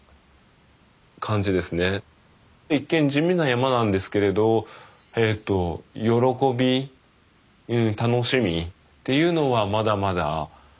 一見地味な山なんですけれど喜び楽しみっていうのはまだまだあの隠されてる。